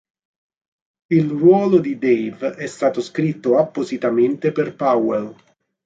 Il ruolo di Dave è stato scritto appositamente per Powell.